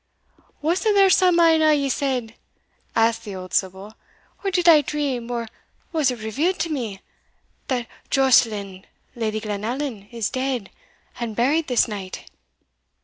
"Wasna there some ane o' ye said," asked the old sibyl, "or did I dream, or was it revealed to me, that Joscelind, Lady Glenallan, is dead, an' buried this night?"